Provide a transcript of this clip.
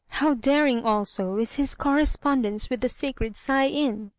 How daring, also, is his correspondence with the sacred Saiin!